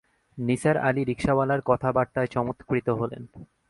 নিসার আলি রিকশাওয়ালার কথাবার্তায় চমৎকৃত হলেন।